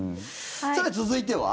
さあ、続いては。